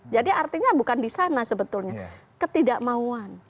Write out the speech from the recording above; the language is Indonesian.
jadi artinya bukan di sana sebetulnya ketidakmauan